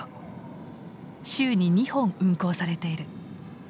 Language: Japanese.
週に２本運行されている。